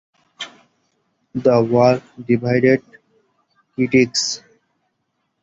The work divided critics.